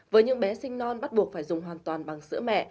với những bé sinh non bắt buộc phải dùng hoàn toàn bằng sữa mẹ